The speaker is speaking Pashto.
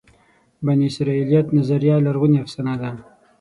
بني اسرائیلیت نظریه لرغونې افسانه ده.